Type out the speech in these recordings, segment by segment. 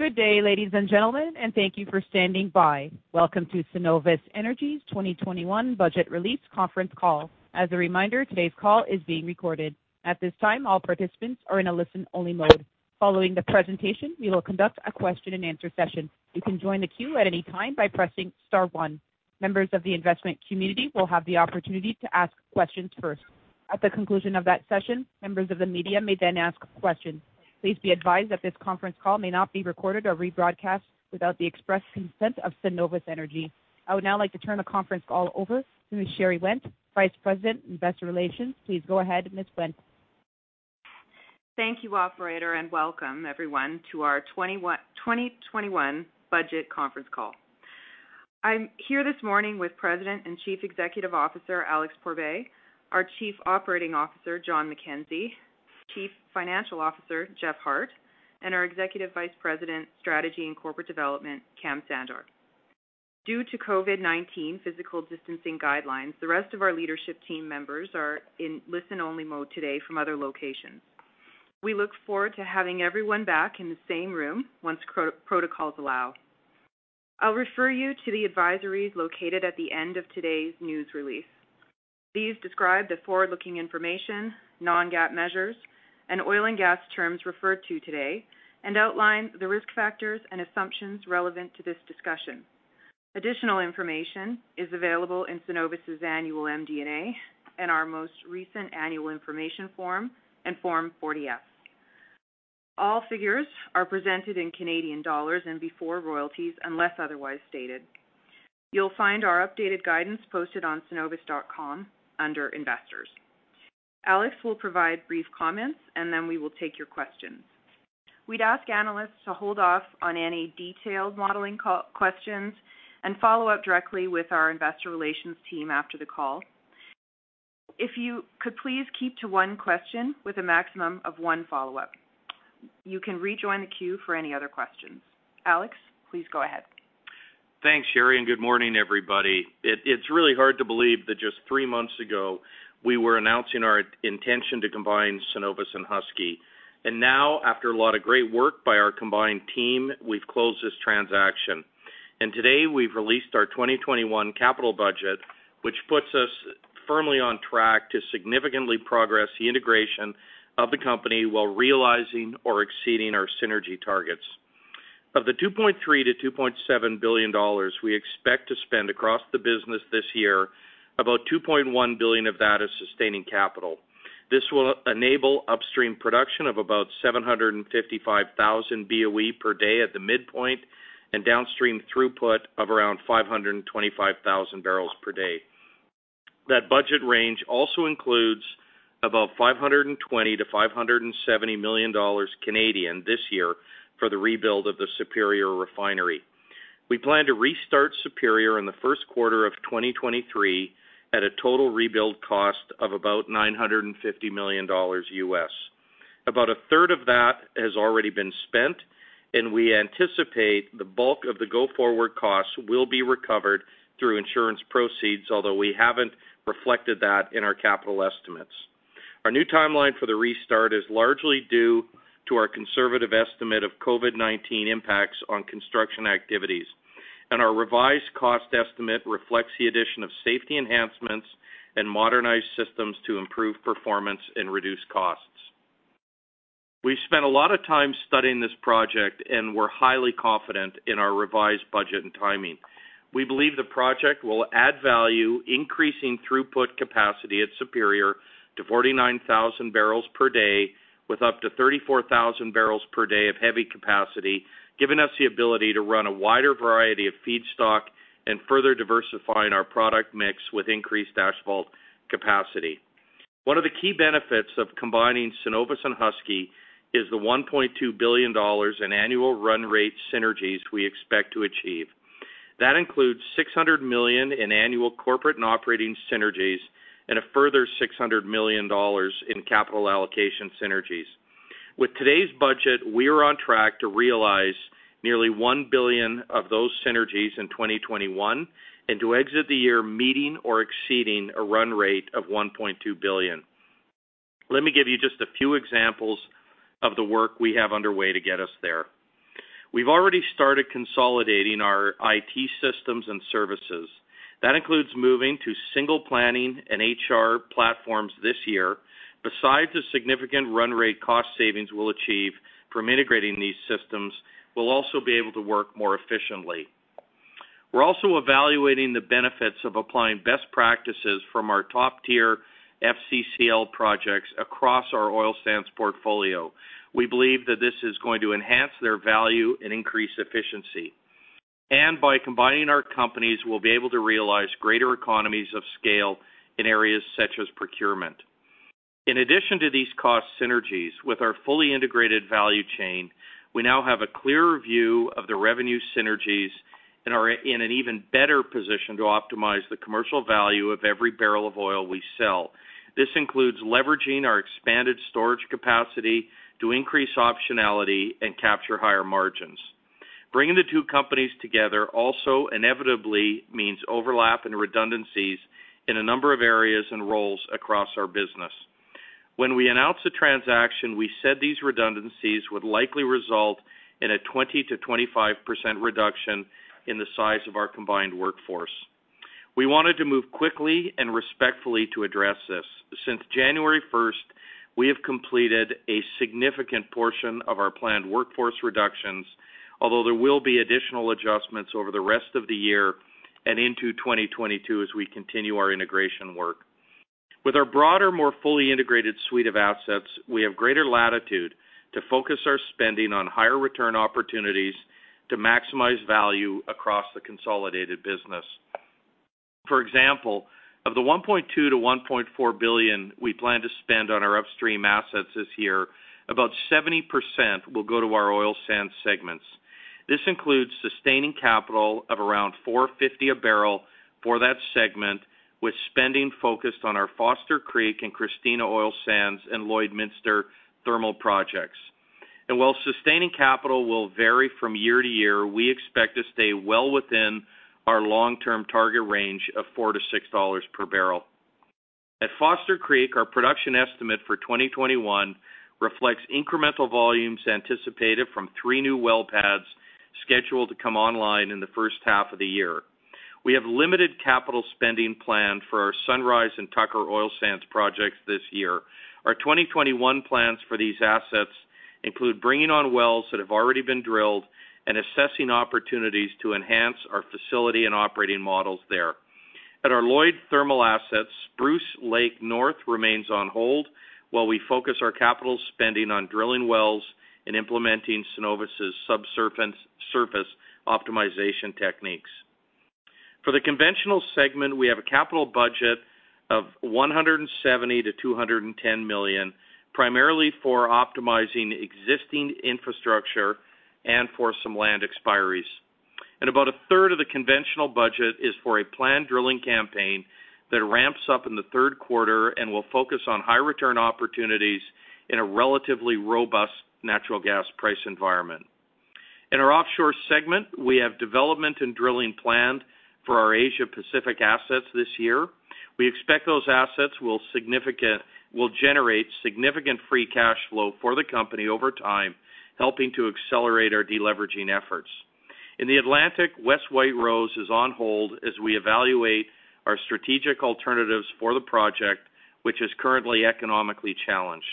Good day, ladies and gentlemen, and thank you for standing by. Welcome to Cenovus Energy's 2021 Budget Release Conference Call. As a reminder, today's call is being recorded. At this time, all participants are in a listen-only mode. Following the presentation, we will conduct a question-and-answer session. You can join the queue at any time by pressing star one. Members of the investment community will have the opportunity to ask questions first. At the conclusion of that session, members of the media may then ask questions. Please be advised that this conference call may not be recorded or rebroadcast without the express consent of Cenovus Energy. I would now like to turn the conference call over to Ms. Sherry Wendt, Vice President, Investor Relations. Please go ahead, Ms. Wendt. Thank you, Operator, and welcome, everyone, to our 2021 Budget Conference Call. I'm here this morning with President and Chief Executive Officer Alex Pourbaix, our Chief Operating Officer Jon McKenzie, Chief Financial Officer Jeff Hart, and our Executive Vice President, Strategy and Corporate Development, Kam Sandhar. Due to COVID-19 physical distancing guidelines, the rest of our leadership team members are in listen-only mode today from other locations. We look forward to having everyone back in the same room once protocols allow. I'll refer you to the advisories located at the end of today's news release. These describe the forward-looking information, non-GAAP measures, and oil and gas terms referred to today, and outline the risk factors and assumptions relevant to this discussion. Additional information is available in Cenovus's annual MD&A and our most recent annual information form and Form 40F. All figures are presented in CAD and before royalties unless otherwise stated. You'll find our updated guidance posted on cenovus.com under Investors. Alex will provide brief comments, and then we will take your questions. We'd ask analysts to hold off on any detailed modeling questions and follow up directly with our Investor Relations team after the call. If you could please keep to one question with a maximum of one follow-up. You can rejoin the queue for any other questions. Alex, please go ahead. Thanks, Sherry, and good morning, everybody. It's really hard to believe that just three months ago we were announcing our intention to combine Cenovus and Husky. Now, after a lot of great work by our combined team, we've closed this transaction. Today we've released our 2021 capital budget, which puts us firmly on track to significantly progress the integration of the company while realizing or exceeding our synergy targets. Of the 2.3 billion-2.7 billion dollars we expect to spend across the business this year, about 2.1 billion of that is sustaining capital. This will enable upstream production of about 755,000 BOE per day at the midpoint and downstream throughput of around 525,000 barrels per day. That budget range also includes about 520 million-570 million dollars this year for the rebuild of the Superior refinery. We plan to restart Superior in the first quarter of 2023 at a total rebuild cost of about $950 million US. About a third of that has already been spent, and we anticipate the bulk of the go-forward costs will be recovered through insurance proceeds, although we haven't reflected that in our capital estimates. Our new timeline for the restart is largely due to our conservative estimate of COVID-19 impacts on construction activities, and our revised cost estimate reflects the addition of safety enhancements and modernized systems to improve performance and reduce costs. We've spent a lot of time studying this project, and we're highly confident in our revised budget and timing. We believe the project will add value, increasing throughput capacity at Superior to 49,000 barrels per day, with up to 34,000 barrels per day of heavy capacity, giving us the ability to run a wider variety of feedstock and further diversifying our product mix with increased asphalt capacity. One of the key benefits of combining Cenovus and Husky is the $1.2 billion in annual run rate synergies we expect to achieve. That includes $600 million in annual corporate and operating synergies and a further $600 million in capital allocation synergies. With today's budget, we are on track to realize nearly $1 billion of those synergies in 2021 and to exit the year meeting or exceeding a run rate of $1.2 billion. Let me give you just a few examples of the work we have underway to get us there. We've already started consolidating our IT systems and services. That includes moving to single planning and HR platforms this year. Besides the significant run rate cost savings we will achieve from integrating these systems, we will also be able to work more efficiently. We are also evaluating the benefits of applying best practices from our top-tier FCCL projects across our oil sands portfolio. We believe that this is going to enhance their value and increase efficiency. By combining our companies, we will be able to realize greater economies of scale in areas such as procurement. In addition to these cost synergies, with our fully integrated value chain, we now have a clearer view of the revenue synergies and are in an even better position to optimize the commercial value of every barrel of oil we sell. This includes leveraging our expanded storage capacity to increase optionality and capture higher margins. Bringing the two companies together also inevitably means overlap and redundancies in a number of areas and roles across our business. When we announced the transaction, we said these redundancies would likely result in a 20-25% reduction in the size of our combined workforce. We wanted to move quickly and respectfully to address this. Since January 1, we have completed a significant portion of our planned workforce reductions, although there will be additional adjustments over the rest of the year and into 2022 as we continue our integration work. With our broader, more fully integrated suite of assets, we have greater latitude to focus our spending on higher return opportunities to maximize value across the consolidated business. For example, of the 1.2-1.4 billion we plan to spend on our upstream assets this year, about 70% will go to our oil sands segments. This includes sustaining capital of around $450 a barrel for that segment, with spending focused on our Foster Creek and Christina Lake Oil Sands and Lloydminster thermal projects. While sustaining capital will vary from year to year, we expect to stay well within our long-term target range of $4-$6 per barrel. At Foster Creek, our production estimate for 2021 reflects incremental volumes anticipated from three new well pads scheduled to come online in the first half of the year. We have limited capital spending planned for our Sunrise and Tucker Oil Sands projects this year. Our 2021 plans for these assets include bringing on wells that have already been drilled and assessing opportunities to enhance our facility and operating models there. At our Lloydminster thermal assets, Bruce Lake North remains on hold while we focus our capital spending on drilling wells and implementing Cenovus's subsurface optimization techniques. For the conventional segment, we have a capital budget of 170 million-210 million, primarily for optimizing existing infrastructure and for some land expiries. About a third of the conventional budget is for a planned drilling campaign that ramps up in the third quarter and will focus on high-return opportunities in a relatively robust natural gas price environment. In our offshore segment, we have development and drilling planned for our Asia Pacific assets this year. We expect those assets will generate significant free cash flow for the company over time, helping to accelerate our deleveraging efforts. In the Atlantic, West White Rose is on hold as we evaluate our strategic alternatives for the project, which is currently economically challenged.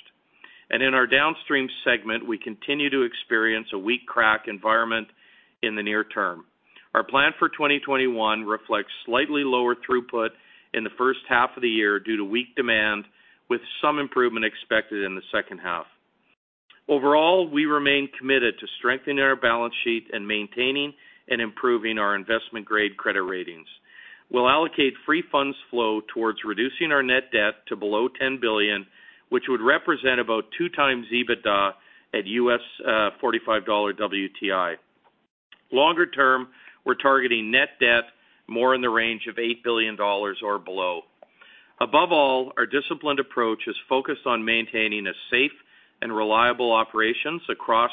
In our downstream segment, we continue to experience a weak crack environment in the near term. Our plan for 2021 reflects slightly lower throughput in the first half of the year due to weak demand, with some improvement expected in the second half. Overall, we remain committed to strengthening our balance sheet and maintaining and improving our investment-grade credit ratings. We'll allocate free funds flow towards reducing our net debt to below 10 billion, which would represent about two times EBITDA at $45 WTI. Longer term, we're targeting net debt more in the range of 8 billion dollars or below. Above all, our disciplined approach is focused on maintaining safe and reliable operations across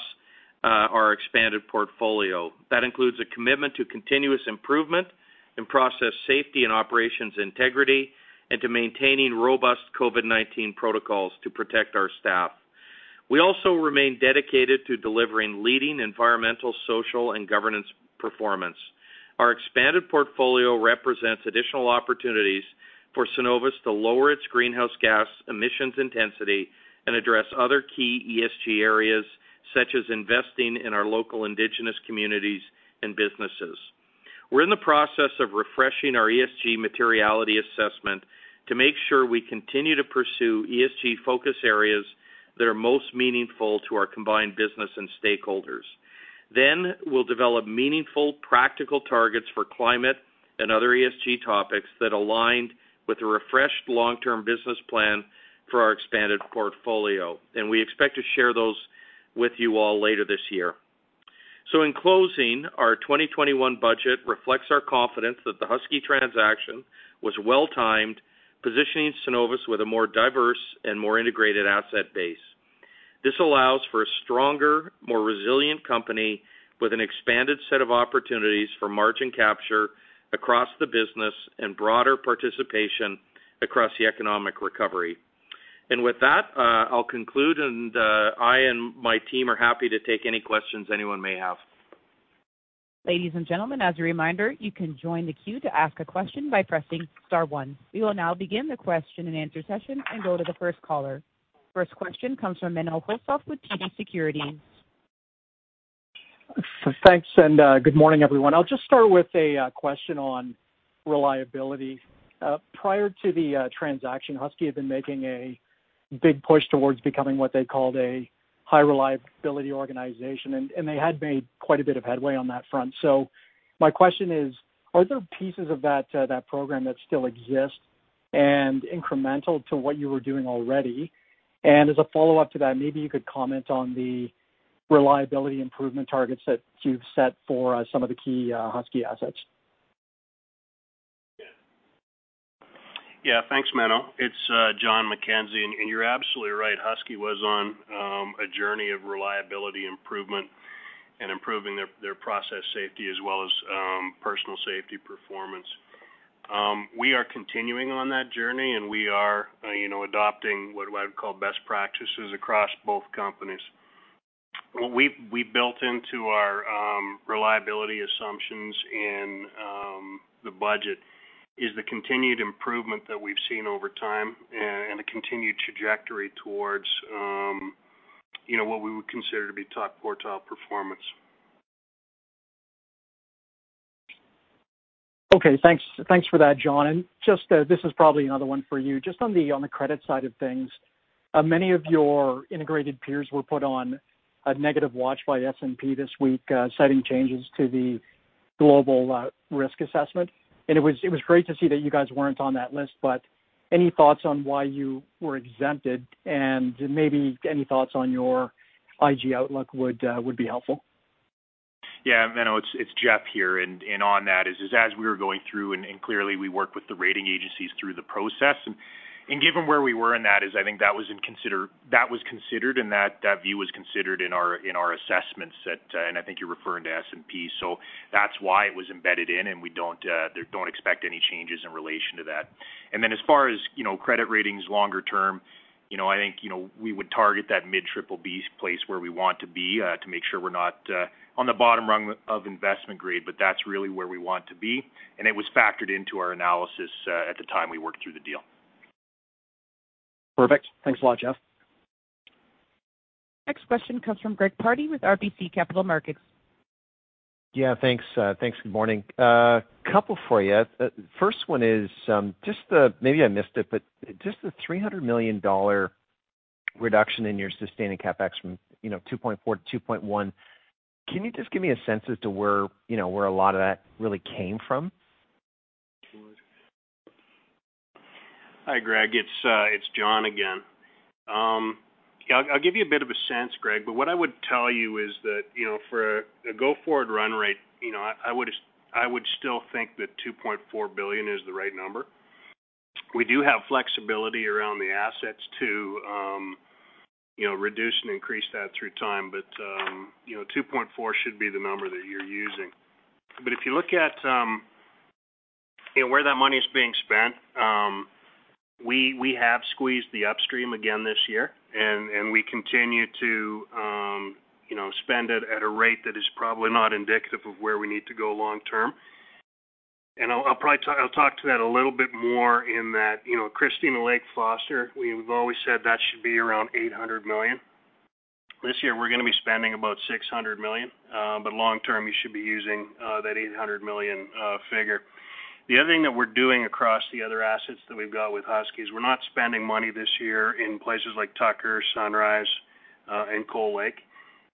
our expanded portfolio. That includes a commitment to continuous improvement in process safety and operations integrity and to maintaining robust COVID-19 protocols to protect our staff. We also remain dedicated to delivering leading environmental, social, and governance performance. Our expanded portfolio represents additional opportunities for Cenovus to lower its greenhouse gas emissions intensity and address other key ESG areas, such as investing in our local Indigenous communities and businesses. We are in the process of refreshing our ESG materiality assessment to make sure we continue to pursue ESG-focused areas that are most meaningful to our combined business and stakeholders. We will develop meaningful practical targets for climate and other ESG topics that align with a refreshed long-term business plan for our expanded portfolio. We expect to share those with you all later this year. In closing, our 2021 budget reflects our confidence that the Husky transaction was well-timed, positioning Cenovus with a more diverse and more integrated asset base. This allows for a stronger, more resilient company with an expanded set of opportunities for margin capture across the business and broader participation across the economic recovery. With that, I'll conclude, and I and my team are happy to take any questions anyone may have. Ladies and gentlemen, as a reminder, you can join the queue to ask a question by pressing star one. We will now begin the question and answer session and go to the first caller. First question comes from Menno Hulshoff with TD Securities. Thanks, and good morning, everyone. I'll just start with a question on reliability. Prior to the transaction, Husky had been making a big push towards becoming what they called a high-reliability organization, and they had made quite a bit of headway on that front. My question is, are there pieces of that program that still exist and incremental to what you were doing already? As a follow-up to that, maybe you could comment on the reliability improvement targets that you've set for some of the key Husky assets. Yeah, thanks, Menno. It's Jon McKenzie, and you're absolutely right. Husky was on a journey of reliability improvement and improving their process safety as well as personal safety performance. We are continuing on that journey, and we are adopting what I would call best practices across both companies. What we've built into our reliability assumptions in the budget is the continued improvement that we've seen over time and the continued trajectory towards what we would consider to be top quartile performance. Okay, thanks for that, Jon. This is probably another one for you. Just on the credit side of things, many of your integrated peers were put on a negative watch by S&P this week, citing changes to the global risk assessment. It was great to see that you guys were not on that list, but any thoughts on why you were exempted and maybe any thoughts on your IG Outlook would be helpful? Yeah, Menno, it's Jeff here. As we were going through, and clearly we worked with the rating agencies through the process. Given where we were in that, I think that was considered, and that view was considered in our assessments. I think you're referring to S&P, so that is why it was embedded in, and we do not expect any changes in relation to that. As far as credit ratings longer term, I think we would target that mid-triple B place where we want to be to make sure we're not on the bottom rung of investment grade, but that is really where we want to be. It was factored into our analysis at the time we worked through the deal. Perfect. Thanks a lot, Jeff. Next question comes from Greg Pardy with RBC Capital Markets. Yeah, thanks. Good morning. A couple for you. First one is just the, maybe I missed it, but just the $300 million reduction in your sustaining CapEx from $2.4 billion to $2.1 billion. Can you just give me a sense as to where a lot of that really came from? Hi, Greg. It's Jon again. I'll give you a bit of a sense, Greg, but what I would tell you is that for a go-forward run rate, I would still think that 2.4 billion is the right number. We do have flexibility around the assets to reduce and increase that through time, but 2.4 billion should be the number that you're using. If you look at where that money is being spent, we have squeezed the upstream again this year, and we continue to spend it at a rate that is probably not indicative of where we need to go long term. I'll talk to that a little bit more in that Christina Lake Foster, we've always said that should be around 800 million. This year, we're going to be spending about 600 million, but long term, you should be using that 800 million figure. The other thing that we're doing across the other assets that we've got with Husky is we're not spending money this year in places like Tucker, Sunrise, and Coal Lake.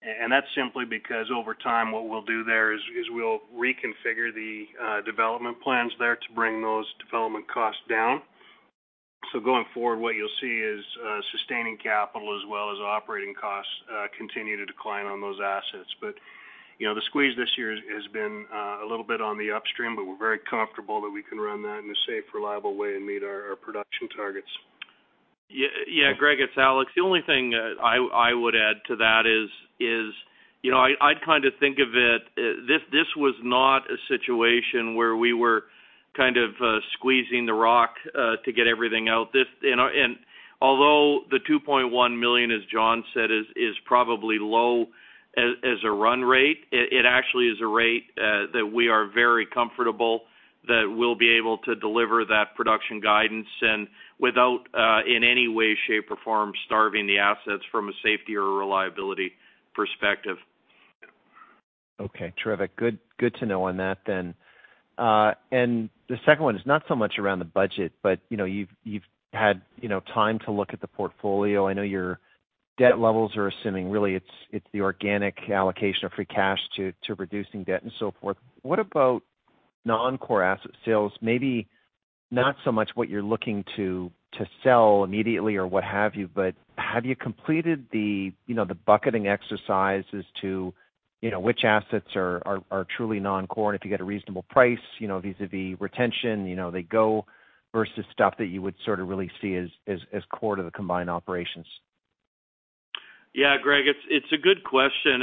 That is simply because over time, what we'll do there is we'll reconfigure the development plans there to bring those development costs down. Going forward, what you'll see is sustaining capital as well as operating costs continue to decline on those assets. The squeeze this year has been a little bit on the upstream, but we're very comfortable that we can run that in a safe, reliable way and meet our production targets. Yeah, Greg, it's Alex. The only thing I would add to that is I'd kind of think of it, this was not a situation where we were kind of squeezing the rock to get everything out. Although the 2.1 million, as Jon said, is probably low as a run rate, it actually is a rate that we are very comfortable that we'll be able to deliver that production guidance and without in any way, shape, or form starving the assets from a safety or reliability perspective. Okay, terrific. Good to know on that then. The second one is not so much around the budget, but you've had time to look at the portfolio. I know your debt levels are assuming really it's the organic allocation of free cash to reducing debt and so forth. What about non-core asset sales? Maybe not so much what you're looking to sell immediately or what have you, but have you completed the bucketing exercises to which assets are truly non-core? If you get a reasonable price vis-à-vis retention, they go versus stuff that you would sort of really see as core to the combined operations? Yeah, Greg, it's a good question.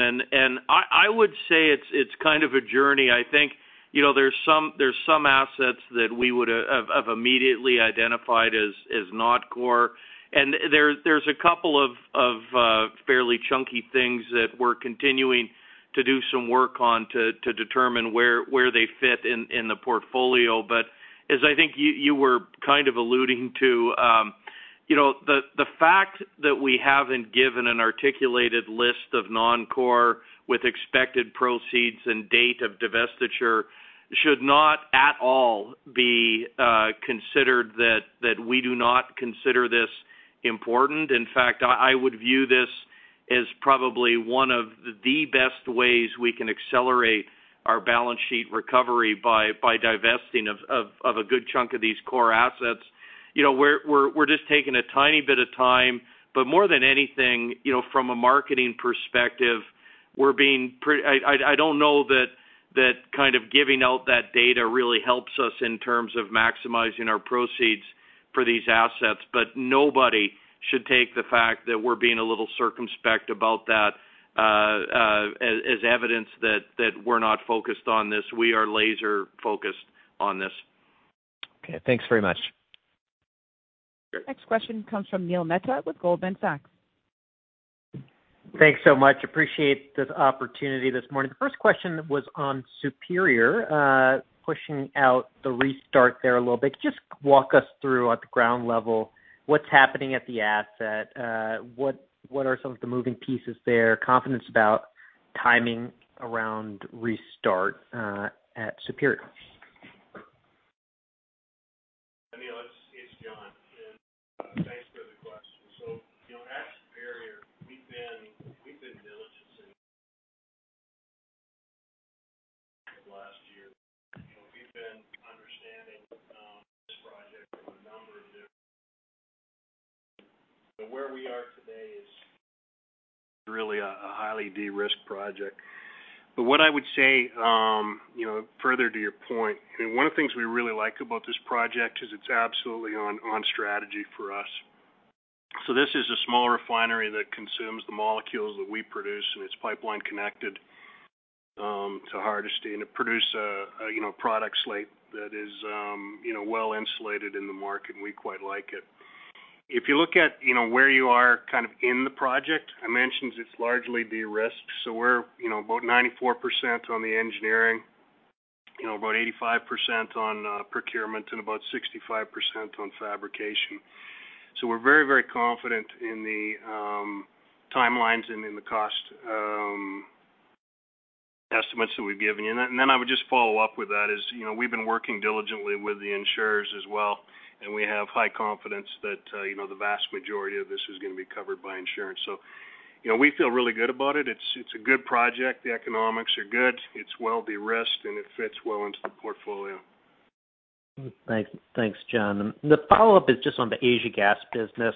I would say it's kind of a journey. I think there's some assets that we would have immediately identified as not core. There's a couple of fairly chunky things that we're continuing to do some work on to determine where they fit in the portfolio. As I think you were kind of alluding to, the fact that we haven't given an articulated list of non-core with expected proceeds and date of divestiture should not at all be considered that we do not consider this important. In fact, I would view this as probably one of the best ways we can accelerate our balance sheet recovery by divesting of a good chunk of these core assets. We're just taking a tiny bit of time, but more than anything, from a marketing perspective, we're being—I don't know that kind of giving out that data really helps us in terms of maximizing our proceeds for these assets, but nobody should take the fact that we're being a little circumspect about that as evidence that we're not focused on this. We are laser-focused on this. Okay, thanks very much. Next question comes from Neil Mehta with Goldman Sachs. Thanks so much. Appreciate this opportunity this morning. The first question was on Superior, pushing out the restart there a little bit. Just walk us through at the ground level, what's happening at the asset? What are some of the moving pieces there? Confidence about timing around restart at Superior? Neil, it's Jon. Thanks for the question. At Superior, we've been diligent since last year. We've been understanding this project from a number of different perspectives. Where we are today is really a highly de-risked project. What I would say, further to your point, one of the things we really like about this project is it's absolutely on strategy for us. This is a small refinery that consumes the molecules that we produce, and it's pipeline connected to Harvest. It produces a product slate that is well-insulated in the market, and we quite like it. If you look at where you are in the project, I mentioned it's largely de-risked. We're about 94% on the engineering, about 85% on procurement, and about 65% on fabrication. We're very, very confident in the timelines and in the cost estimates that we've given. We have been working diligently with the insurers as well, and we have high confidence that the vast majority of this is going to be covered by insurance. We feel really good about it. It's a good project. The economics are good. It's well de-risked, and it fits well into the portfolio. Thanks, Jon. The follow-up is just on the Asia gas business.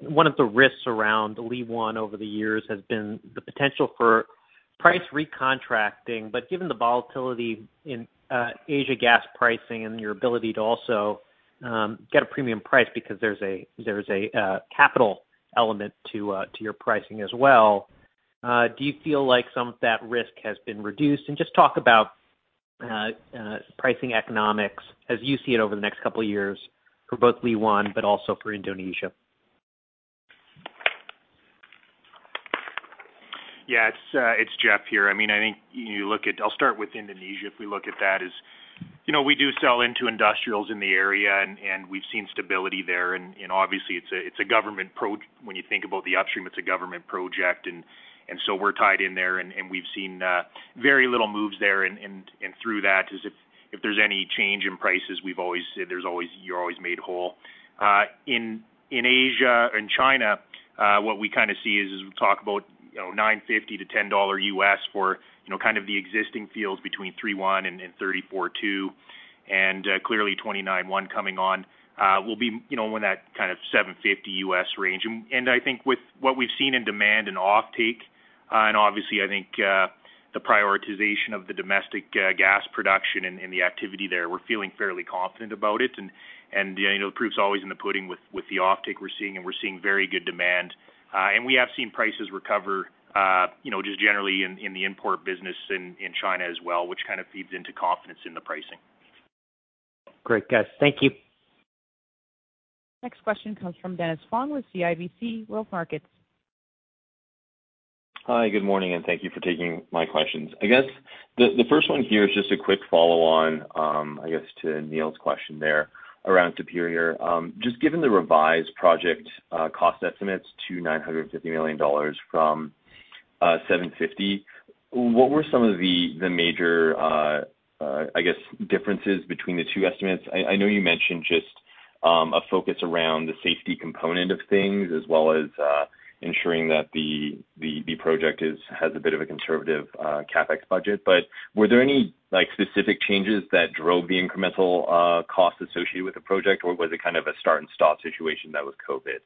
One of the risks around Leone over the years has been the potential for price recontracting. Given the volatility in Asia gas pricing and your ability to also get a premium price because there's a capital element to your pricing as well, do you feel like some of that risk has been reduced? Just talk about pricing economics as you see it over the next couple of years for both Leone but also for Indonesia. Yeah, it's Jeff here. I mean, I think you look at, I’ll start with Indonesia. If we look at that, we do sell into industrials in the area, and we've seen stability there. Obviously, when you think about the upstream, it's a government project. We are tied in there, and we've seen very little moves there. Through that, if there's any change in prices, you're always made whole. In Asia and China, what we kind of see is we talk about $9.50-$10 US for kind of the existing fields between 3.1 and 34.2, and clearly 29.1 coming on will be in that kind of $7.50 US range. I think with what we've seen in demand and offtake, and obviously, I think the prioritization of the domestic gas production and the activity there, we're feeling fairly confident about it. The proof's always in the pudding with the offtake we're seeing, and we're seeing very good demand. We have seen prices recover just generally in the import business in China as well, which kind of feeds into confidence in the pricing. Great, guys. Thank you. Next question comes from Dennis Fong with CIBC Growth Markets. Hi, good morning, and thank you for taking my questions. I guess the first one here is just a quick follow-on, I guess, to Neil's question there around Superior. Just given the revised project cost estimates to $950 million from $750 million, what were some of the major, I guess, differences between the two estimates? I know you mentioned just a focus around the safety component of things as well as ensuring that the project has a bit of a conservative CapEx budget. Were there any specific changes that drove the incremental cost associated with the project, or was it kind of a start-and-stop situation that was COVID?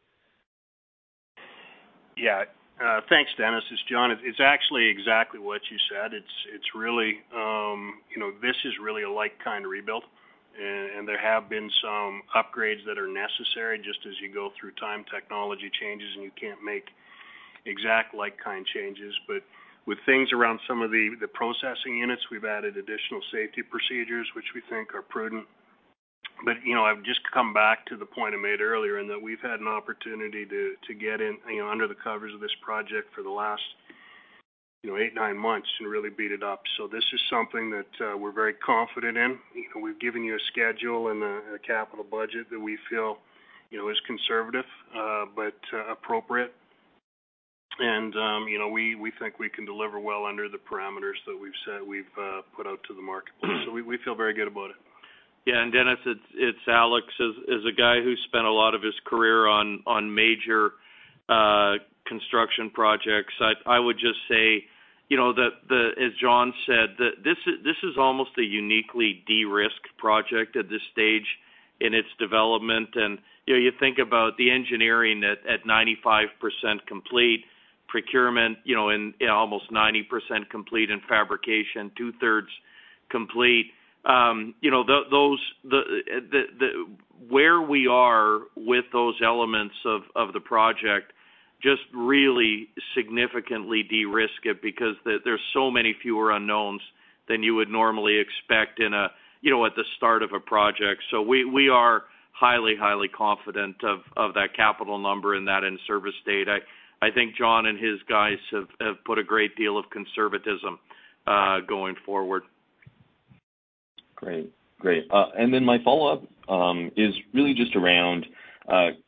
Yeah, thanks, Dennis. It's Jon. It's actually exactly what you said. It's really, this is really a like-kind rebuild, and there have been some upgrades that are necessary just as you go through time, technology changes, and you can't make exact like-kind changes. With things around some of the processing units, we've added additional safety procedures, which we think are prudent. I just come back to the point I made earlier in that we've had an opportunity to get in under the covers of this project for the last eight, nine months and really beat it up. This is something that we're very confident in. We've given you a schedule and a capital budget that we feel is conservative but appropriate. We think we can deliver well under the parameters that we've put out to the market. We feel very good about it. Yeah, and Dennis, it's Alex. As a guy who spent a lot of his career on major construction projects, I would just say, as Jon said, this is almost a uniquely de-risked project at this stage in its development. You think about the engineering at 95% complete, procurement almost 90% complete, and fabrication two-thirds complete. Where we are with those elements of the project just really significantly de-risk it because there's so many fewer unknowns than you would normally expect at the start of a project. We are highly, highly confident of that capital number and that in-service date. I think Jon and his guys have put a great deal of conservatism going forward. Great. Great. My follow-up is really just around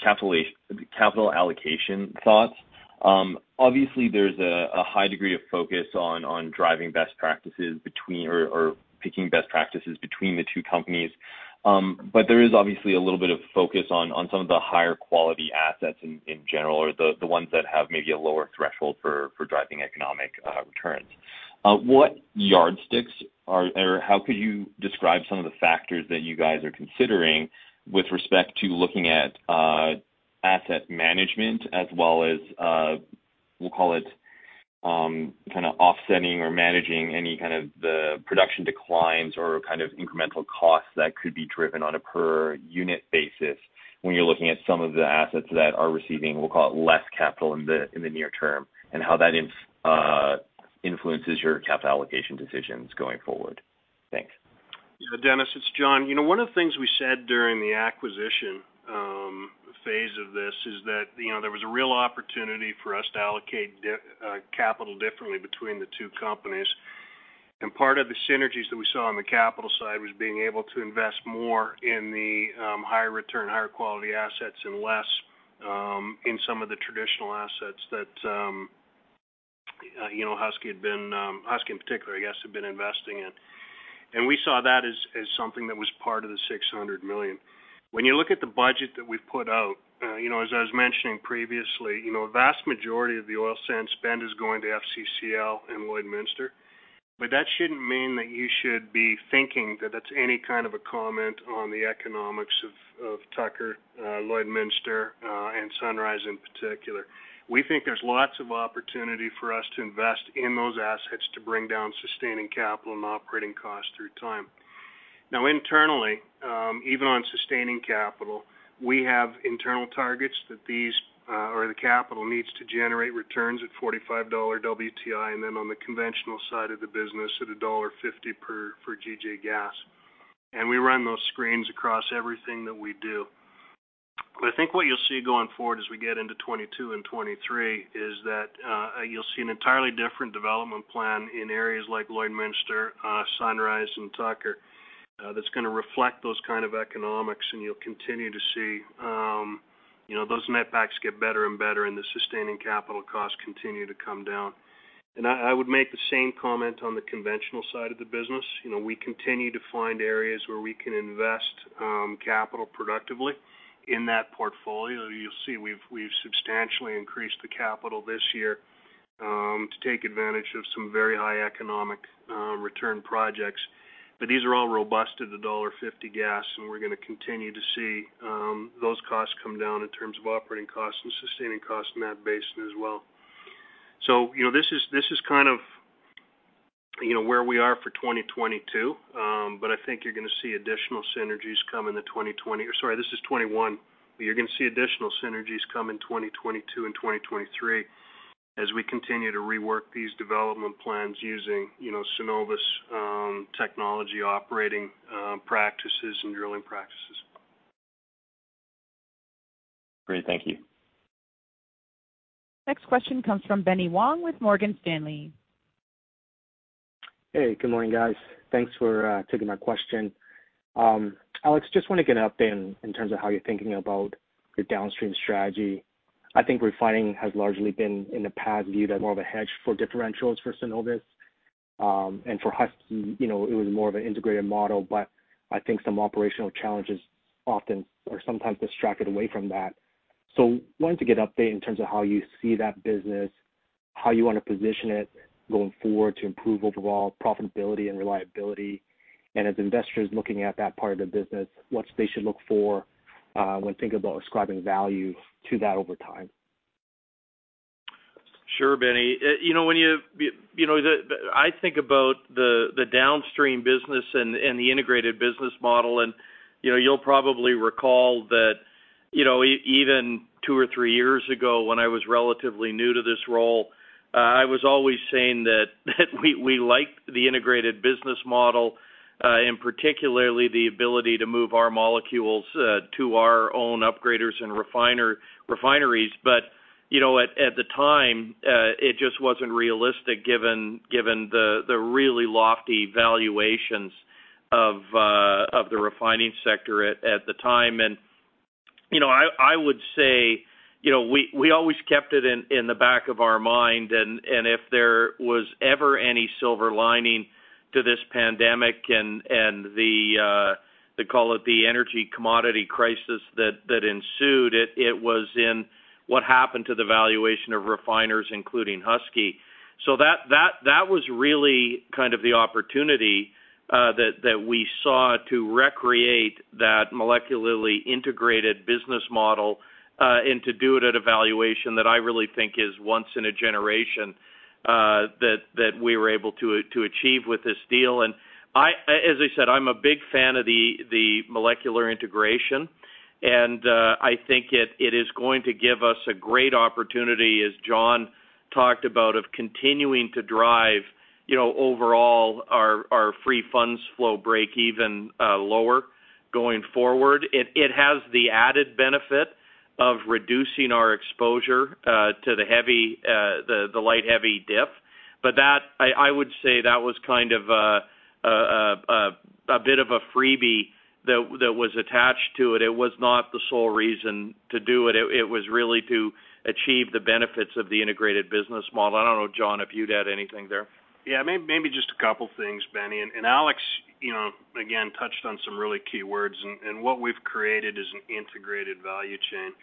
capital allocation thoughts. Obviously, there is a high degree of focus on driving best practices or picking best practices between the two companies. There is obviously a little bit of focus on some of the higher quality assets in general or the ones that have maybe a lower threshold for driving economic returns. What yardsticks or how could you describe some of the factors that you guys are considering with respect to looking at asset management as well as, we'll call it, kind of offsetting or managing any kind of the production declines or kind of incremental costs that could be driven on a per-unit basis when you're looking at some of the assets that are receiving, we'll call it, less capital in the near term and how that influences your capital allocation decisions going forward. Thanks. Yeah, Dennis, it's Jon. One of the things we said during the acquisition phase of this is that there was a real opportunity for us to allocate capital differently between the two companies. Part of the synergies that we saw on the capital side was being able to invest more in the higher-return, higher-quality assets and less in some of the traditional assets that Husky had been, Husky in particular, I guess, had been investing in. We saw that as something that was part of the $600 million. When you look at the budget that we've put out, as I was mentioning previously, the vast majority of the oil sands spend is going to FCCL and Lloydminster. That shouldn't mean that you should be thinking that that's any kind of a comment on the economics of Tucker, Lloydminster, and Sunrise in particular. We think there's lots of opportunity for us to invest in those assets to bring down sustaining capital and operating costs through time. Now, internally, even on sustaining capital, we have internal targets that these or the capital needs to generate returns at $45 WTI and then on the conventional side of the business at $1.50 for GJ Gas. We run those screens across everything that we do. I think what you'll see going forward as we get into 2022 and 2023 is that you'll see an entirely different development plan in areas like Lloydminster, Sunrise, and Tucker that's going to reflect those kind of economics. You'll continue to see those netbacks get better and better and the sustaining capital costs continue to come down. I would make the same comment on the conventional side of the business. We continue to find areas where we can invest capital productively in that portfolio. You'll see we've substantially increased the capital this year to take advantage of some very high economic return projects. These are all robust to the $1.50 gas, and we're going to continue to see those costs come down in terms of operating costs and sustaining costs in that basin as well. This is kind of where we are for 2021, but I think you're going to see additional synergies come in 2022 and 2023 as we continue to rework these development plans using Cenovus technology operating practices and drilling practices. Great. Thank you. Next question comes from Benny Wong with Morgan Stanley. Hey, good morning, guys. Thanks for taking my question. Alex, just want to get an update in terms of how you're thinking about your downstream strategy. I think refining has largely been in the past viewed as more of a hedge for differentials for Cenovus. For Husky, it was more of an integrated model, but I think some operational challenges often are sometimes distracted away from that. I wanted to get an update in terms of how you see that business, how you want to position it going forward to improve overall profitability and reliability. As investors looking at that part of the business, what they should look for when thinking about ascribing value to that over time. Sure, Benny. When you—I think about the downstream business and the integrated business model, and you'll probably recall that even two or three years ago when I was relatively new to this role, I was always saying that we liked the integrated business model, and particularly the ability to move our molecules to our own upgraders and refineries. At the time, it just was not realistic given the really lofty valuations of the refining sector at the time. I would say we always kept it in the back of our mind. If there was ever any silver lining to this pandemic and the, they call it, the energy commodity crisis that ensued, it was in what happened to the valuation of refiners, including Husky. That was really kind of the opportunity that we saw to recreate that molecularly integrated business model and to do it at a valuation that I really think is once in a generation that we were able to achieve with this deal. As I said, I'm a big fan of the molecular integration, and I think it is going to give us a great opportunity, as Jon talked about, of continuing to drive overall our free funds flow break even lower going forward. It has the added benefit of reducing our exposure to the light-heavy diff. I would say that was kind of a bit of a freebie that was attached to it. It was not the sole reason to do it. It was really to achieve the benefits of the integrated business model. I don't know, Jon, if you'd add anything there. Yeah, maybe just a couple of things, Benny. Alex, again, touched on some really key words. What we've created is an integrated value chain.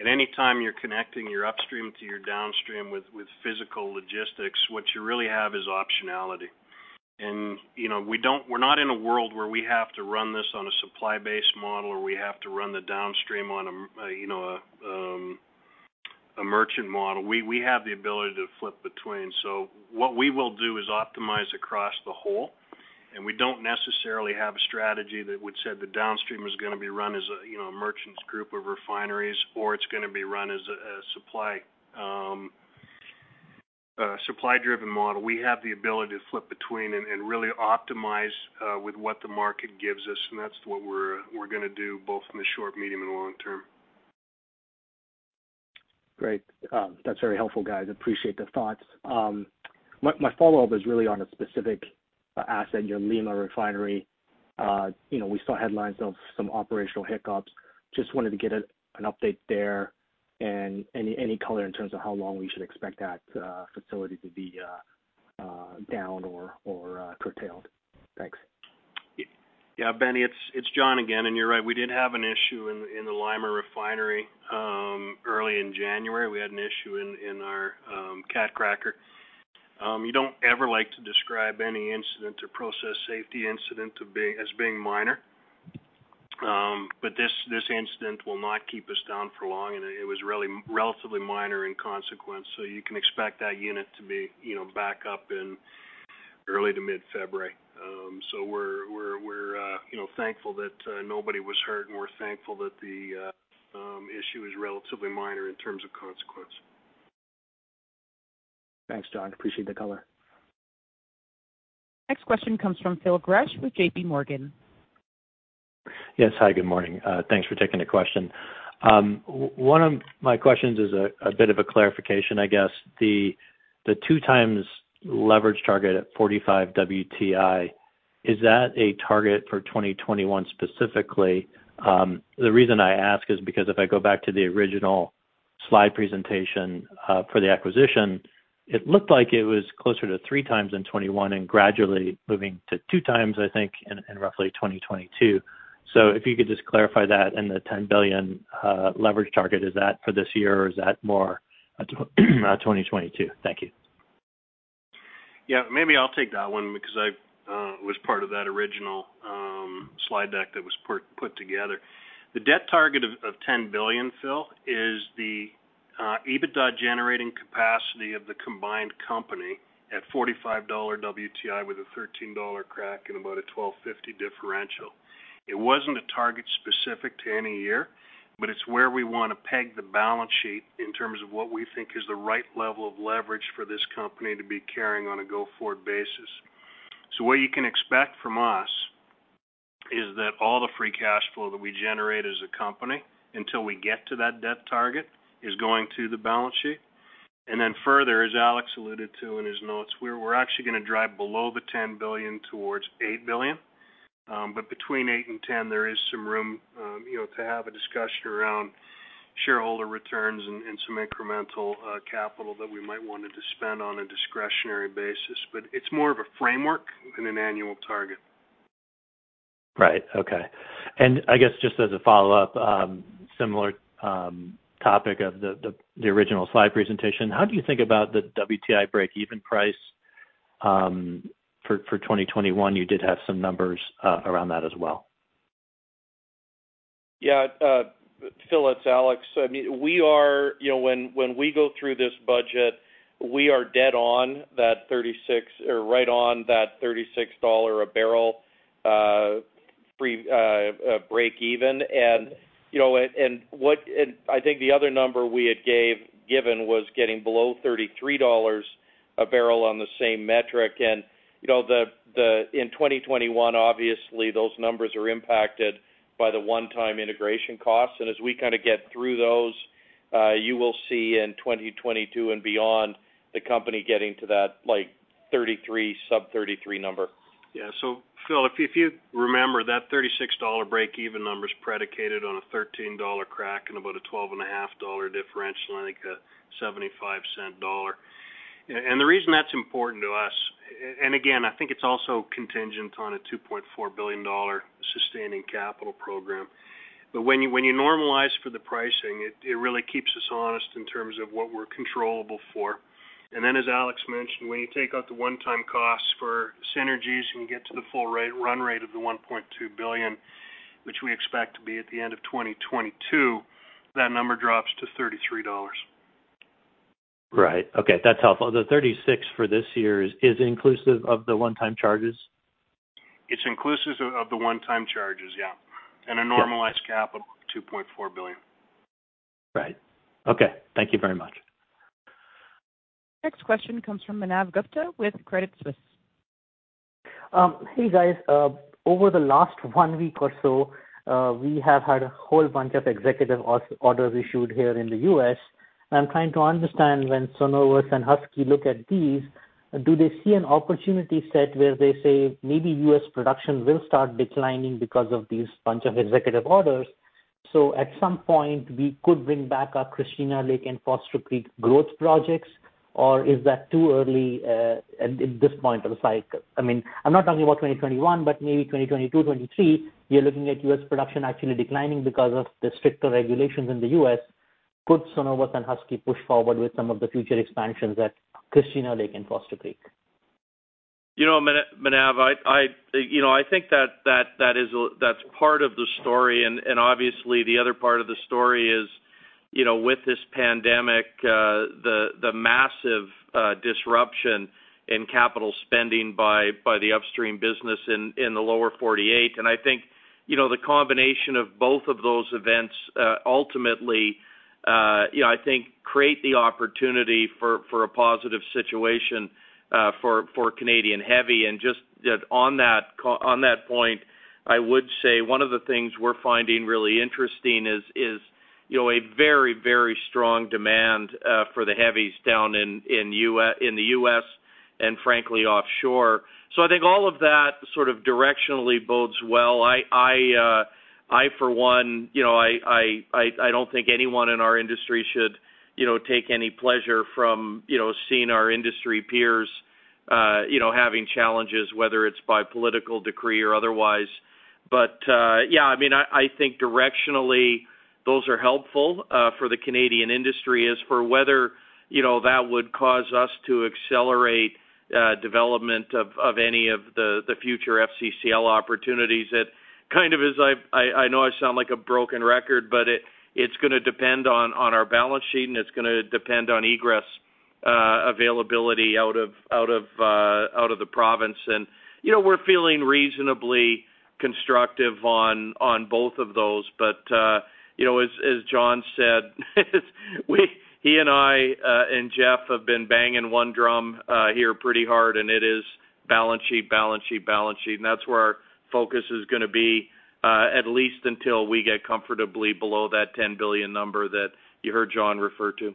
Anytime you're connecting your upstream to your downstream with physical logistics, what you really have is optionality. We are not in a world where we have to run this on a supply-based model or we have to run the downstream on a merchant model. We have the ability to flip between. What we will do is optimize across the whole. We do not necessarily have a strategy that would say the downstream is going to be run as a merchant's group of refineries or it is going to be run as a supply-driven model. We have the ability to flip between and really optimize with what the market gives us. That is what we are going to do both in the short, medium, and long term. Great. That's very helpful, guys. Appreciate the thoughts. My follow-up is really on a specific asset, your Lima refinery. We saw headlines of some operational hiccups. Just wanted to get an update there and any color in terms of how long we should expect that facility to be down or curtailed. Thanks. Yeah, Benny, it's Jon again. You're right. We did have an issue in the Lima refinery early in January. We had an issue in our cat cracker. You don't ever like to describe any incident or process safety incident as being minor. This incident will not keep us down for long, and it was really relatively minor in consequence. You can expect that unit to be back up in early to mid-February. We're thankful that nobody was hurt, and we're thankful that the issue is relatively minor in terms of consequence. Thanks, Jon. Appreciate the color. Next question comes from Phil Grush with JP Morgan. Yes. Hi, good morning. Thanks for taking the question. One of my questions is a bit of a clarification, I guess. The two-times leverage target at $45 WTI, is that a target for 2021 specifically? The reason I ask is because if I go back to the original slide presentation for the acquisition, it looked like it was closer to three times in 2021 and gradually moving to two times, I think, in roughly 2022. If you could just clarify that and the $10 billion leverage target, is that for this year or is that more 2022? Thank you. Yeah. Maybe I'll take that one because I was part of that original slide deck that was put together. The debt target of $10 billion, Phil, is the EBITDA generating capacity of the combined company at $45 WTI with a $13 crack and about a $12.50 differential. It was not a target specific to any year, but it is where we want to peg the balance sheet in terms of what we think is the right level of leverage for this company to be carrying on a go-forward basis. You can expect from us that all the free cash flow that we generate as a company until we get to that debt target is going to the balance sheet. Further, as Alex alluded to in his notes, we are actually going to drive below the $10 billion towards $8 billion. Between 8 and 10, there is some room to have a discussion around shareholder returns and some incremental capital that we might want to dispend on a discretionary basis. It is more of a framework than an annual target. Right. Okay. I guess just as a follow-up, similar topic of the original slide presentation, how do you think about the WTI break-even price for 2021? You did have some numbers around that as well. Yeah. Phil, it's Alex. I mean, when we go through this budget, we are dead on that 36 or right on that $36 a barrel break-even. I think the other number we had given was getting below $33 a barrel on the same metric. In 2021, obviously, those numbers are impacted by the one-time integration costs. As we kind of get through those, you will see in 2022 and beyond the company getting to that 33, sub-33 number. Yeah. Phil, if you remember, that $36 break-even number is predicated on a $13 crack and about a $12.50 differential, I think a 75-cent dollar. The reason that's important to us, and again, I think it's also contingent on a $2.4 billion sustaining capital program. When you normalize for the pricing, it really keeps us honest in terms of what we're controllable for. As Alex mentioned, when you take out the one-time costs for synergies and you get to the full run rate of the $1.2 billion, which we expect to be at the end of 2022, that number drops to $33. Right. Okay. That's helpful. The 36 for this year, is it inclusive of the one-time charges? It's inclusive of the one-time charges, yeah. A normalized capital, 2.4 billion. Right. Okay. Thank you very much. Next question comes from Manav Gupta with Credit Suisse. Hey, guys. Over the last one week or so, we have had a whole bunch of executive orders issued here in the U.S. I'm trying to understand when Cenovus and Husky look at these, do they see an opportunity set where they say maybe U.S. production will start declining because of this bunch of executive orders? At some point, we could bring back our Christina Lake and Foster Creek growth projects, or is that too early at this point of the cycle? I mean, I'm not talking about 2021, but maybe 2022, 2023, you're looking at U.S. production actually declining because of the stricter regulations in the U.S. Could Cenovus and Husky push forward with some of the future expansions at Christina Lake and Foster Creek? You know, Manav, I think that that's part of the story. Obviously, the other part of the story is with this pandemic, the massive disruption in capital spending by the upstream business in the lower 48. I think the combination of both of those events ultimately, I think, create the opportunity for a positive situation for Canadian Heavy. Just on that point, I would say one of the things we're finding really interesting is a very, very strong demand for the heavies down in the U.S. and, frankly, offshore. I think all of that sort of directionally bodes well. I, for one, I don't think anyone in our industry should take any pleasure from seeing our industry peers having challenges, whether it's by political decree or otherwise. Yeah, I mean, I think directionally, those are helpful for the Canadian industry. As for whether that would cause us to accelerate development of any of the future FCCL opportunities, kind of as I know I sound like a broken record, but it's going to depend on our balance sheet, and it's going to depend on egress availability out of the province. We're feeling reasonably constructive on both of those. As Jon said, he and I and Jeff have been banging one drum here pretty hard, and it is balance sheet, balance sheet, balance sheet. That's where our focus is going to be, at least until we get comfortably below that 10 billion number that you heard Jon refer to.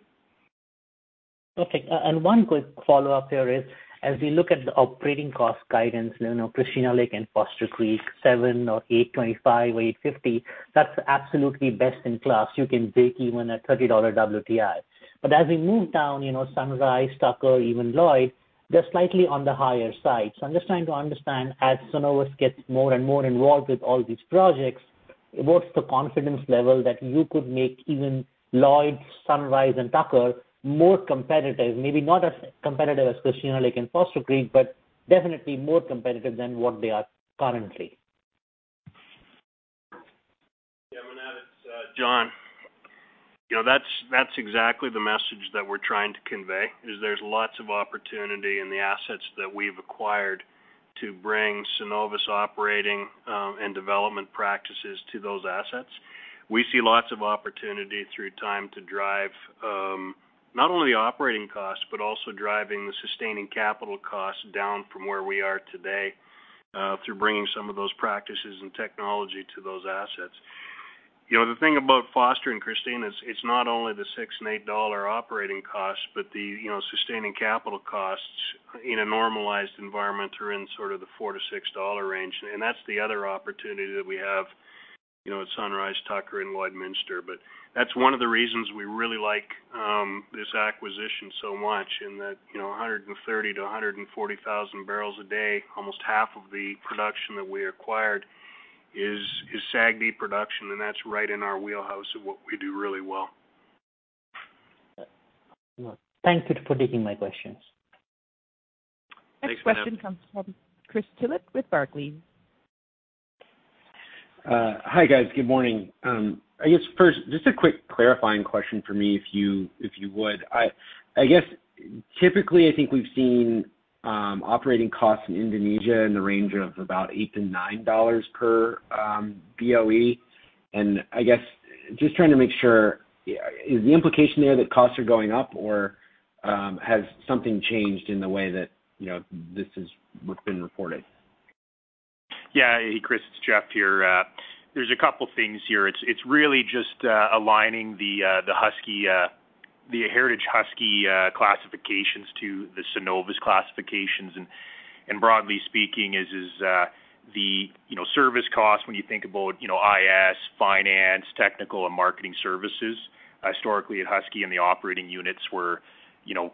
Perfect. One quick follow-up here is, as we look at the operating cost guidance, Christina Lake and Foster Creek, 7 or 8.25 or 8.50, that's absolutely best in class. You can break even at $30 WTI. As we move down, Sunrise, Tucker, even Lloyd, they're slightly on the higher side. I'm just trying to understand, as Cenovus gets more and more involved with all these projects, what's the confidence level that you could make even Lloyd, Sunrise, and Tucker more competitive? Maybe not as competitive as Christina Lake and Foster Creek, but definitely more competitive than what they are currently. Yeah, Manav, it's Jon. That's exactly the message that we're trying to convey, is there's lots of opportunity in the assets that we've acquired to bring Cenovus operating and development practices to those assets. We see lots of opportunity through time to drive not only the operating costs, but also driving the sustaining capital costs down from where we are today through bringing some of those practices and technology to those assets. The thing about Foster and Christina is it's not only the $6 and $8 operating costs, but the sustaining capital costs in a normalized environment are in sort of the $4-$6 range. That's the other opportunity that we have at Sunrise, Tucker, and Lloydminster. That is one of the reasons we really like this acquisition so much in that 130-140 thousand barrels a day, almost half of the production that we acquired is SAGD production, and that is right in our wheelhouse of what we do really well. Thank you for taking my questions. Next question comes from Chris Tillett with Barclays. Hi, guys. Good morning. I guess first, just a quick clarifying question for me, if you would. I guess typically, I think we've seen operating costs in Indonesia in the range of about $8-$9 per BOE. I guess just trying to make sure, is the implication there that costs are going up, or has something changed in the way that this has been reported? Yeah. Hey, Chris, it's Jeff here. There's a couple of things here. It's really just aligning the heritage Husky classifications to the Cenovus classifications. Broadly speaking, it's the service cost when you think about IS, finance, technical, and marketing services. Historically, at Husky, the operating units were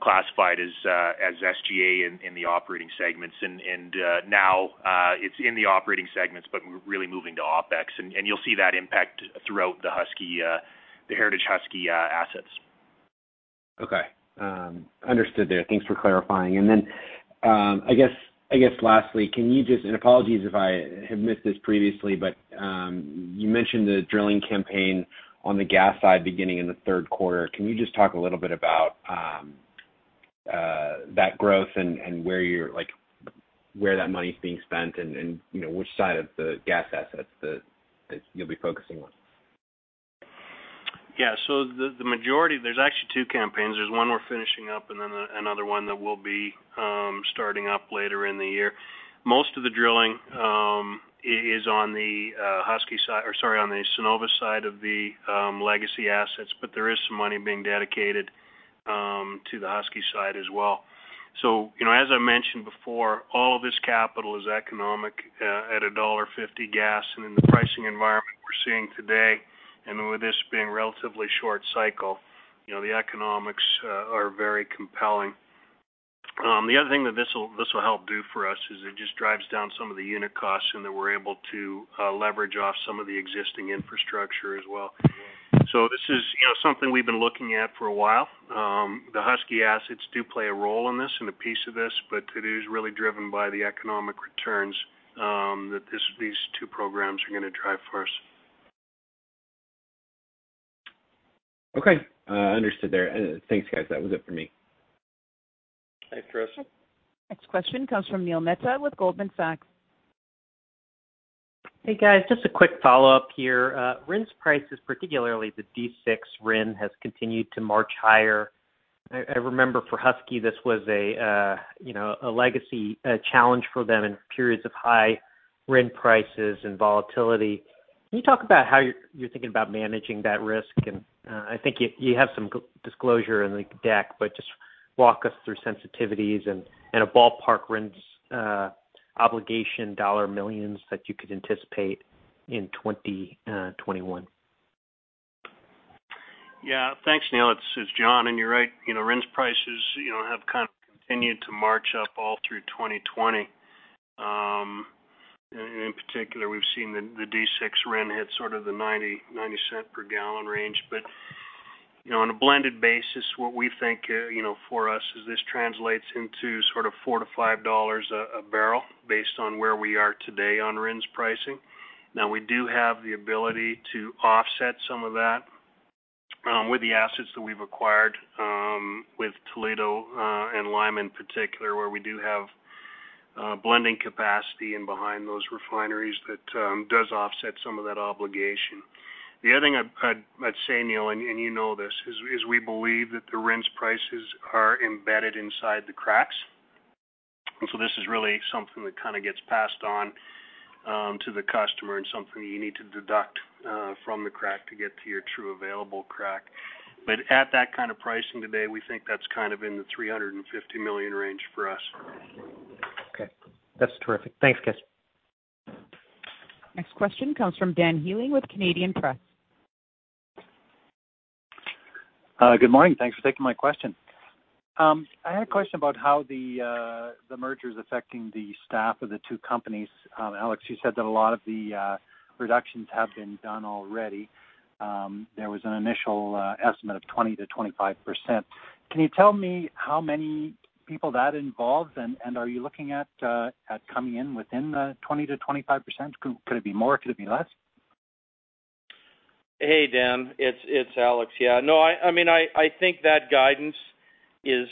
classified as SG&A in the operating segments. Now it's in the operating segments, but really moving to OpEx. You'll see that impact throughout the heritage Husky assets. Okay. Understood there. Thanks for clarifying. I guess lastly, can you just—and apologies if I have missed this previously—but you mentioned the drilling campaign on the gas side beginning in the third quarter. Can you just talk a little bit about that growth and where that money is being spent and which side of the gas assets that you'll be focusing on? Yeah. The majority, there's actually two campaigns. There's one we're finishing up and then another one that we'll be starting up later in the year. Most of the drilling is on the Husky side—or sorry, on the Cenovus side of the legacy assets—but there is some money being dedicated to the Husky side as well. As I mentioned before, all of this capital is economic at $1.50 gas. In the pricing environment we're seeing today, and with this being a relatively short cycle, the economics are very compelling. The other thing that this will help do for us is it just drives down some of the unit costs and that we're able to leverage off some of the existing infrastructure as well. This is something we've been looking at for a while. The Husky assets do play a role in this and a piece of this, but it is really driven by the economic returns that these two programs are going to drive for us. Okay. Understood there. Thanks, guys. That was it for me. Thanks, Chris. Next question comes from Neil Mehta with Goldman Sachs. Hey, guys. Just a quick follow-up here. RINs prices, particularly the D6 RIN, have continued to march higher. I remember for Husky, this was a legacy challenge for them in periods of high RIN prices and volatility. Can you talk about how you're thinking about managing that risk? I think you have some disclosure in the deck, but just walk us through sensitivities and a ballpark RINs obligation dollar millions that you could anticipate in 2021. Yeah. Thanks, Neil. It's Jon. You're right. RINs prices have kind of continued to march up all through 2020. In particular, we've seen the D6 RIN hit sort of the $0.90 per gallon range. On a blended basis, what we think for us is this translates into sort of $4-$5 a barrel based on where we are today on RINs pricing. We do have the ability to offset some of that with the assets that we've acquired with Toledo and Lima, in particular, where we do have blending capacity in behind those refineries that does offset some of that obligation. The other thing I'd say, Neil, and you know this, is we believe that the RINs prices are embedded inside the cracks. This is really something that kind of gets passed on to the customer and something you need to deduct from the crack to get to your true available crack. At that kind of pricing today, we think that's kind of in the 350 million range for us. Okay. That's terrific. Thanks, Chris. Next question comes from Dan Healing with Canadian Press. Good morning. Thanks for taking my question. I had a question about how the merger is affecting the staff of the two companies. Alex, you said that a lot of the reductions have been done already. There was an initial estimate of 20-25%. Can you tell me how many people that involves? Are you looking at coming in within the 20-25%? Could it be more? Could it be less? Hey, Dan. It's Alex, yeah. No, I mean, I think that guidance is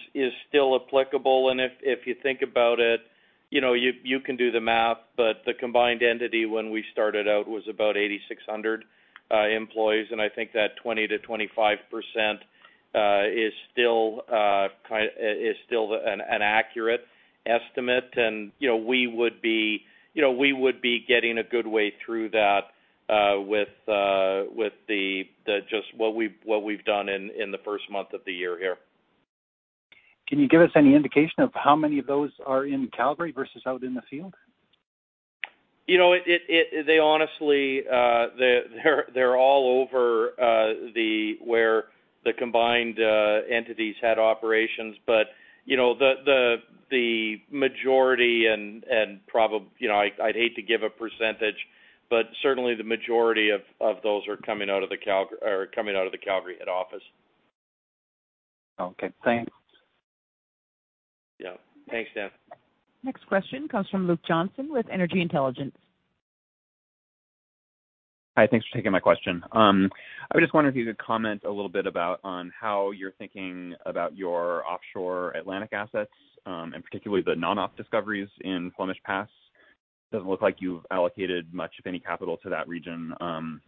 still applicable. If you think about it, you can do the math, but the combined entity when we started out was about 8,600 employees. I think that 20-25% is still an accurate estimate. We would be getting a good way through that with just what we've done in the first month of the year here. Can you give us any indication of how many of those are in Calgary versus out in the field? They honestly, they're all over where the combined entities had operations. The majority, and I'd hate to give a percentage, but certainly the majority of those are coming out of the Calgary head office. Okay. Thanks. Yeah. Thanks, Dan. Next question comes from Luke Johnson with Energy Intelligence. Hi. Thanks for taking my question. I was just wondering if you could comment a little bit about how you're thinking about your offshore Atlantic assets and particularly the non-op discoveries in Flemish Pass. It doesn't look like you've allocated much, if any, capital to that region.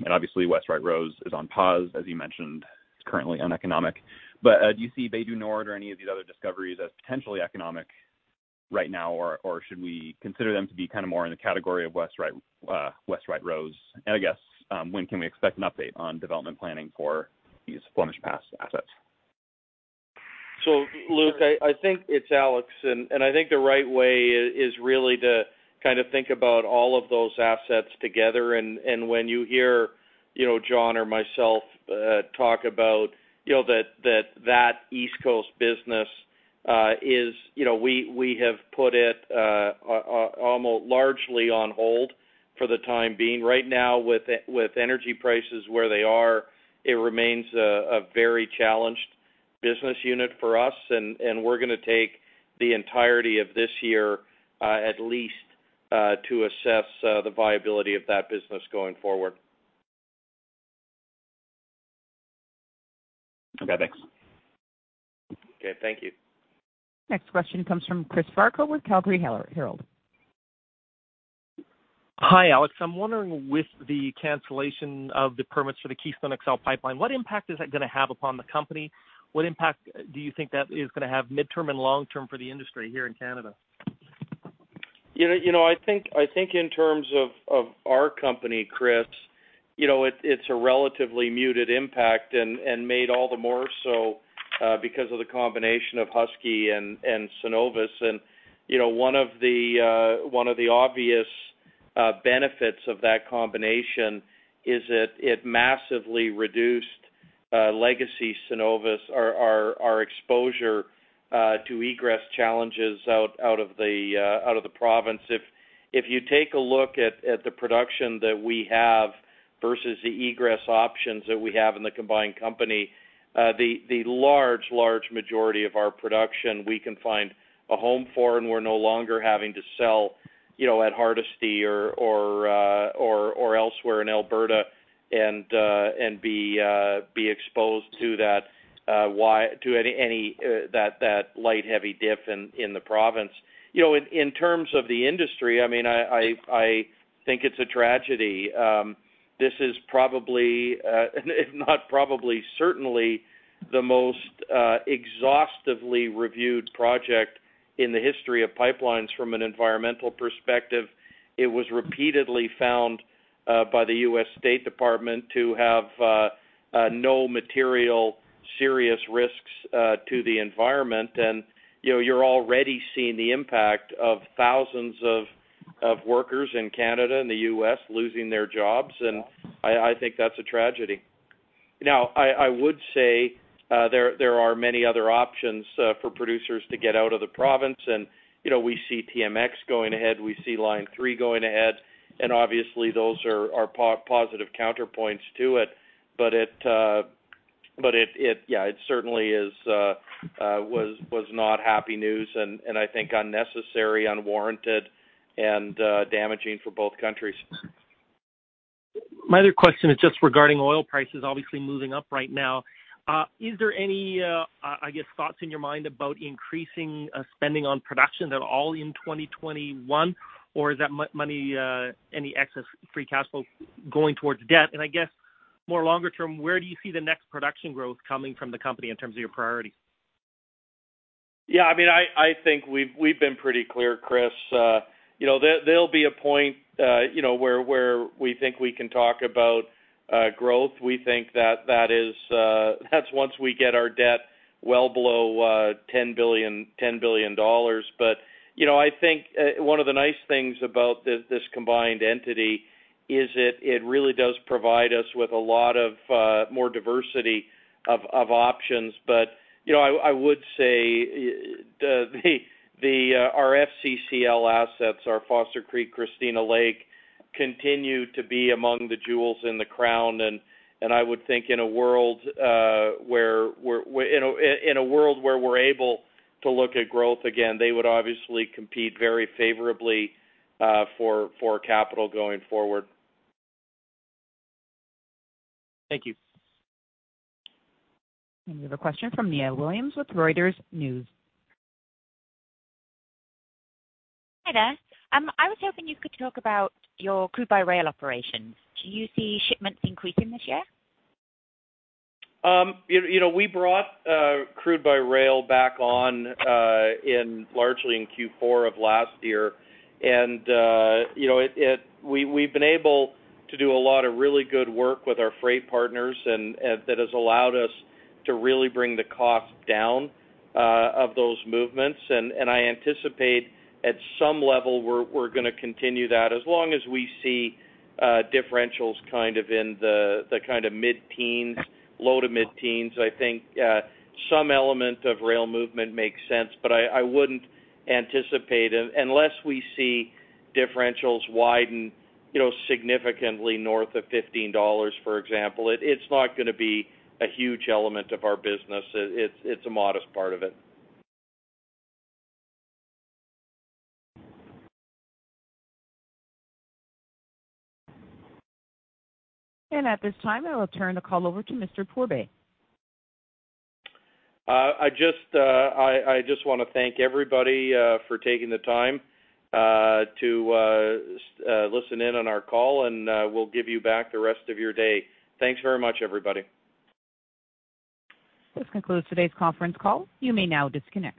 Obviously, West White Rose is on pause, as you mentioned. It's currently uneconomic. Do you see Bay du Nord or any of these other discoveries as potentially economic right now, or should we consider them to be kind of more in the category of West White Rose? I guess, when can we expect an update on development planning for these Flemish Pass assets? Luke, I think it's Alex. I think the right way is really to kind of think about all of those assets together. When you hear Jon or myself talk about that East Coast business, we have put it largely on hold for the time being. Right now, with energy prices where they are, it remains a very challenged business unit for us. We're going to take the entirety of this year at least to assess the viability of that business going forward. Okay. Thanks. Okay. Thank you. Next question comes from Chris Varcoe with Calgary Herald. Hi, Alex. I'm wondering, with the cancellation of the permits for the Keystone XL pipeline, what impact is that going to have upon the company? What impact do you think that is going to have midterm and long term for the industry here in Canada? I think in terms of our company, Chris, it's a relatively muted impact and made all the more so because of the combination of Husky and Cenovus. One of the obvious benefits of that combination is it massively reduced legacy Cenovus, our exposure to egress challenges out of the province. If you take a look at the production that we have versus the egress options that we have in the combined company, the large, large majority of our production we can find a home for, and we're no longer having to sell at Hardisty or elsewhere in Alberta and be exposed to that light-heavy diff in the province. In terms of the industry, I mean, I think it's a tragedy. This is probably, if not probably, certainly the most exhaustively reviewed project in the history of pipelines from an environmental perspective. It was repeatedly found by the U.S. State Department to have no material serious risks to the environment. You're already seeing the impact of thousands of workers in Canada and the U.S. losing their jobs. I think that's a tragedy. I would say there are many other options for producers to get out of the province. We see TMX going ahead. We see Line 3 going ahead. Obviously, those are positive counterpoints to it. Yeah, it certainly was not happy news and I think unnecessary, unwarranted, and damaging for both countries. My other question is just regarding oil prices, obviously moving up right now. Is there any, I guess, thoughts in your mind about increasing spending on production at all in 2021, or is that money, any excess free cash flow going towards debt? I guess more longer term, where do you see the next production growth coming from the company in terms of your priorities? Yeah. I mean, I think we've been pretty clear, Chris. There'll be a point where we think we can talk about growth. We think that that's once we get our debt well below 10 billion dollars. I think one of the nice things about this combined entity is it really does provide us with a lot more diversity of options. I would say the FCCL assets, our Foster Creek, Christina Lake, continue to be among the jewels in the crown. I would think in a world where we're able to look at growth again, they would obviously compete very favorably for capital going forward. Thank you. We have a question from Nia Williams with Reuters News. Hi there. I was hoping you could talk about your crude by rail operations. Do you see shipments increasing this year? We brought crude by rail back on largely in Q4 of last year. We have been able to do a lot of really good work with our freight partners, and that has allowed us to really bring the cost down of those movements. I anticipate at some level we are going to continue that as long as we see differentials kind of in the kind of mid-teens, low to mid-teens. I think some element of rail movement makes sense, but I would not anticipate unless we see differentials widen significantly north of $15, for example. It is not going to be a huge element of our business. It is a modest part of it. At this time, I will turn the call over to Mr. Pourbaix. I just want to thank everybody for taking the time to listen in on our call, and we'll give you back the rest of your day. Thanks very much, everybody. This concludes today's conference call. You may now disconnect.